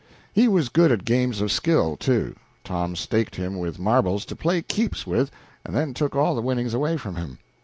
He was good at games of skill, too. Tom staked him with marbles to play "keeps" with, and then took all the winnings away from him.